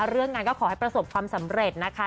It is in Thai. เรื่องงานก็ขอให้ประสบความสำเร็จนะคะ